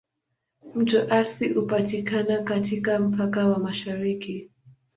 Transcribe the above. Mto Athi hupitia katika mpaka wa mashariki.